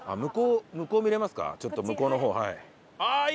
ちょっと向こうの方はい。